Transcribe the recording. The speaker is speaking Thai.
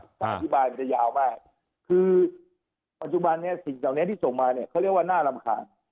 คำอธิบายมันจะยาวมากคือปัจจุบันนี้สิ่งเหล่านี้ที่ส่งมาเนี่ยเขาเรียกว่าน่ารำคาญ